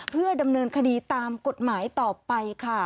เพื่อดำเนินคดีตามกฎหมายต่อไปค่ะ